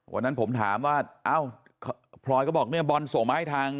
วันนั้นผมถามว่าเอ้าพลอยก็บอกเนี่ยบอลส่งมาให้ทาง